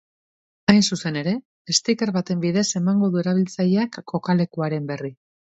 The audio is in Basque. Hain zuzen ere, sticker baten bidez emango du erabiltzaileak kokalekuaren berri.